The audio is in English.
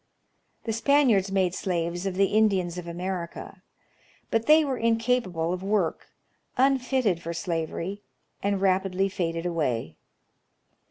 The Spaniards made slaves of the Indians of America, but they were incapable of work, unfitted for slavery, and rapidly faded away.